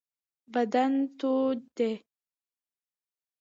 بدن تود دی.